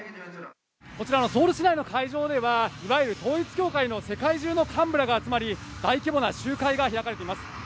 こちらのソウル市内の会場ではいわゆる統一教会の世界中の幹部らが集まり大規模な集会が開かれています。